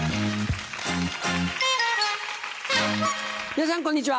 皆さんこんにちは。